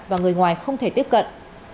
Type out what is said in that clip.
và người ngoài không thể tiếp cận